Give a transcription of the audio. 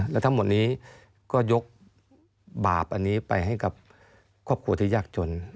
และทั้งหมดนี้ก็ยกบาปอันนี้ไปให้กับครอบครัวที่ยากจน